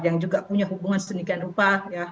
yang juga punya hubungan sedemikian rupa